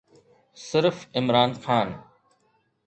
صرف عمران خان.